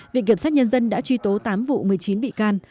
viện kiểm sát nhân dân đã truy tố tám vụ một mươi chín bị can